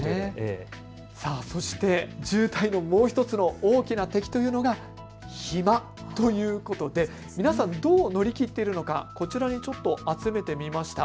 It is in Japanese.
そして渋滞のもう１つの大きな敵というのが暇ということで、皆さんどう乗り切っているのかこちらに集めてみました。